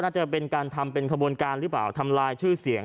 จะเป็นการทำเป็นขบวนการหรือเปล่าทำลายชื่อเสียง